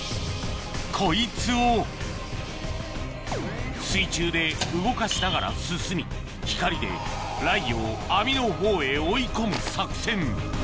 こいつを水中で動かしながら進み光でライギョを網のほうへ追い込む作戦